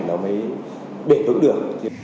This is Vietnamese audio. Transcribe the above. nó mới đề tướng được